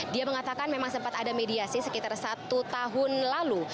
dia mengatakan memang sempat ada mediasi sekitar satu tahun lalu